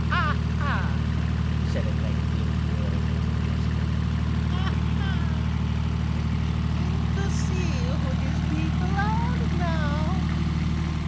"Ah, ha!" said at length the infuriated jester. "Ah, ha! I begin to see who these people are now!"